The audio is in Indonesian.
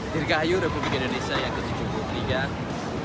dirgahayu republik indonesia yang ke tujuh puluh tiga